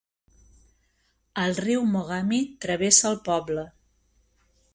El riu Mogami travessa el poble.